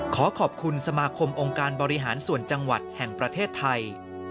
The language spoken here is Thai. ขอขอบคุณสมาคมองค์การบริหารส่วนจังหวัดแห่งประเทศไทย